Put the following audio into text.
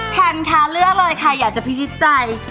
แพนคะเลือกเลยค่ะอยากจะพิชิตใจ